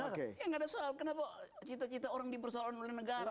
ya nggak ada soal kenapa cita cita orang dipersoalkan oleh negara